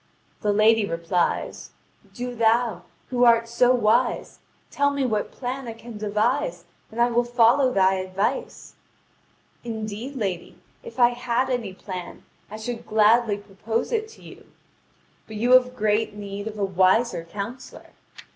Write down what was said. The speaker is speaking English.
The lady replies: "Do thou, who art so wise, tell me what plan I can devise, and I will follow thy advice." "Indeed, lady, if I had any plan, I should gladly propose it to you. But you have great need of a wiser counsellor.